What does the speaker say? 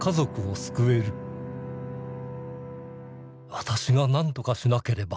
私がなんとかしなければ。